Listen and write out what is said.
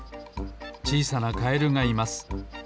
ちいさなカエルがいます。